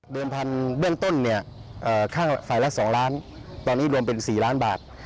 พันธุ์เบื้องต้นเนี่ยค่าฝ่ายละ๒ล้านตอนนี้รวมเป็น๔ล้านบาท